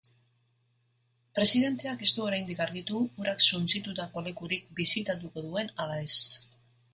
Presidenteak ez du oraindik argitu urak suntsitutako lekurik bisitatuko duen ala ez.